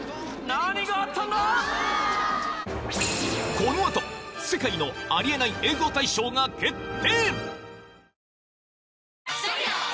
［この後世界のありえない映像大賞が決定］